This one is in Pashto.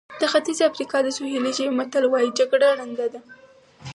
د ختیځې افریقا د سوهیلي ژبې متل وایي جګړه ړنده ده.